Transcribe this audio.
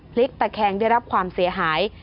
พลิกตะแคงได้รับความเสียหาย